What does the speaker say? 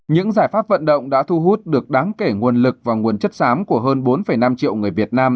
những giải pháp vận động đã thu hút được đáng kể nguồn lực và nguồn chất xám của hơn bốn năm triệu người việt nam